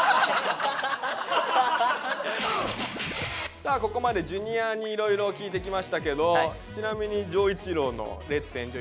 さあここまでＪｒ．にいろいろ聞いてきましたけどちなみに丈一郎の「レッツエンジョイ！